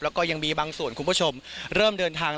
แล้วก็ยังมีบางส่วนคุณผู้ชมเริ่มเดินทาง